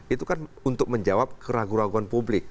itu kan untuk menjawab keraguan keraguan publik